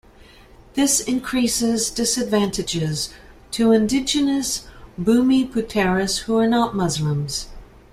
This increases disadvantages to indigenous Bumiputeras who are not Muslims.